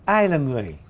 ai là người